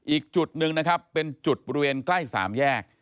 อีกจุดหนึ่งนะครับเป็นจุดบริเวณใกล้สามแยก